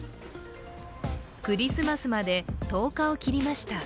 クリスマスまで１０日を切りました。